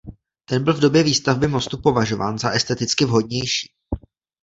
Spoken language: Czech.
Ten byl v době výstavby mostu považován za esteticky vhodnější.